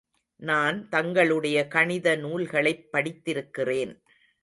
நான் தங்களுடைய கணித நூல்களைப் படித்திருக்கிறேன்.